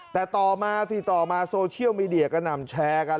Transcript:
แต่ต่อมาสิต่อมาโซเชียลมีเดียกระหน่ำแชร์กัน